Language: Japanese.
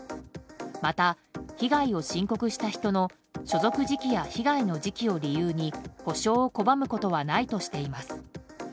また、被害を申告した人の所属時期や被害の時期を理由に補償を拒むことはないとしています。